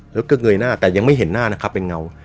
แล้วก็เงยหน้าแต่ยังไม่เห็นหน้านะครับเป็นเงา